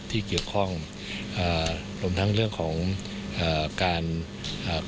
ที่เกี่ยวข้องอ่ารวมทั้งเรื่องของอ่าการอ่า